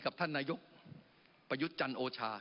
กับท่านนายกปยุจรรย์โอชา